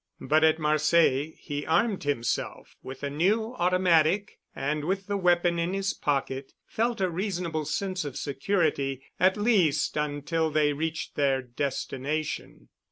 But at Marseilles he armed himself with a new automatic and with the weapon in his pocket felt a reasonable sense of security, at least until they reached their destination.